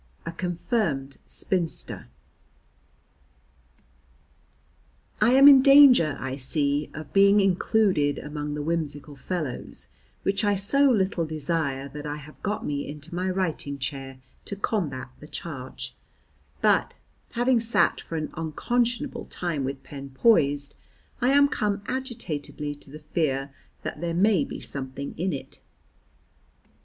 A Confirmed Spinster I am in danger, I see, of being included among the whimsical fellows, which I so little desire that I have got me into my writing chair to combat the charge, but, having sat for an unconscionable time with pen poised, I am come agitatedly to the fear that there may be something in it.